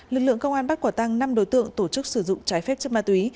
lực lượng công an bắt quả tăng năm đối tượng tổ chức sử dụng trái phép chất ma túy